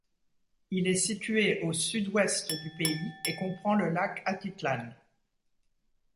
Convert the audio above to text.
Il est situé au sud-ouest du pays et comprend le lac Atitlán.